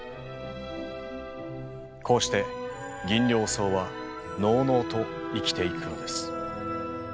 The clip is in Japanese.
こうしてギンリョウソウはのうのうと生きていくのです。